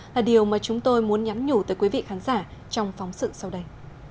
là điều mà chúng tôi muốn nhắn nhủ tới quý vị khán giả trong phóng sự sau đây